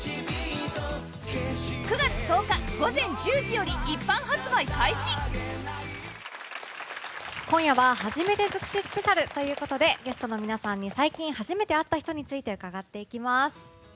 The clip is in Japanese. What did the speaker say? ２０２２９月１０日午前１０時より一般発売開始今夜は初めて尽くしスペシャルということでゲストの皆さんに最近、初めて会った人について伺っていきます。